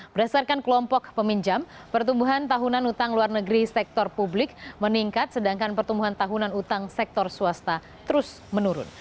berdasarkan kelompok peminjam pertumbuhan tahunan utang luar negeri sektor publik meningkat sedangkan pertumbuhan tahunan utang sektor swasta terus menurun